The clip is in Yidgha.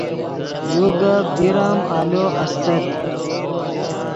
یو گپ دیر ام آلو استت